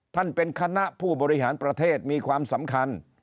ท่านเป็นคณะผู้บริหารประเทศมีความสำคัญ